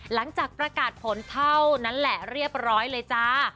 หลังจากประกาศผลเท่านั้นแหละเรียบร้อยเลยจ้า